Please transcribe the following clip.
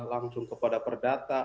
langsung kepada perdata